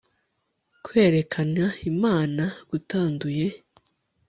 Kwerekana Imana gutanduye